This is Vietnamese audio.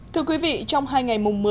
thưa quý vị trong hai ngày mùng một mươi